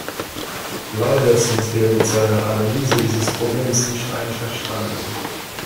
Leider sind wir mit seiner Analyse dieses Problems nicht einverstanden.